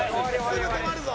すぐ止まるぞ！